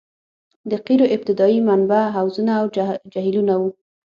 د قیرو ابتدايي منبع حوضونه او جهیلونه وو